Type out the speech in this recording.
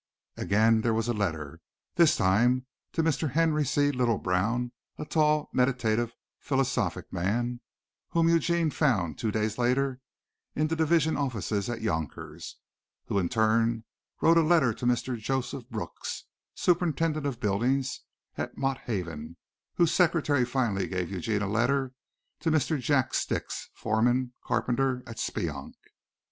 Again there was a letter, this time to Mr. Henry C. Litlebrown, a tall, meditative, philosophic man whom Eugene found two days later in the division offices at Yonkers, who in turn wrote a letter to Mr. Joseph Brooks, Superintendent of Buildings, at Mott Haven, whose secretary finally gave Eugene a letter to Mr. Jack Stix, foreman carpenter at Speonk.